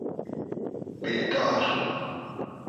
بېدار